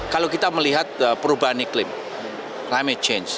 kalau kita melihat perubahan iklim climate change